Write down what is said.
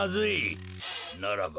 ならば。